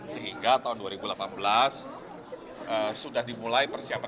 sehingga tahun dua ribu delapan belas sudah dimulai persiapan